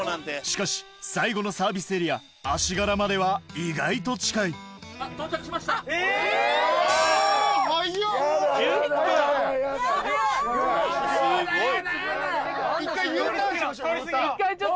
しかし最後のサービスエリア足柄までは意外と近いえ⁉１０分⁉ヤダヤダヤダ！